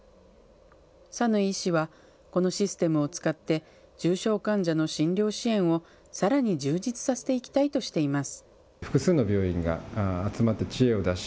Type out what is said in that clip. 讃井医師はこのシステムを使って重症患者の診療支援をさらに充実させていきたいとしています。